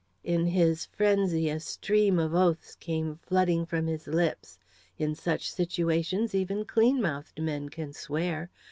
In his frenzy a stream of oaths came flooding from his lips. In such situations even clean mouthed men can swear.